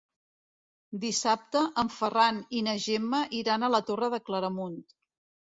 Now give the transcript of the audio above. Dissabte en Ferran i na Gemma iran a la Torre de Claramunt.